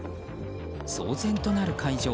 騒然となる会場。